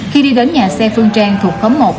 khi đi đến nhà xe phương trang thuộc khóm một